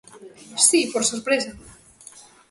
Si, por sorpresa!